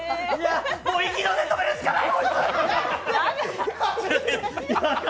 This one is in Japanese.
もう息の根、止めるしかない！